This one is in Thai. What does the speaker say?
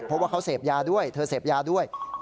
เพราะว่าเขาเสพยาด้วยเธอเสพยาด้วย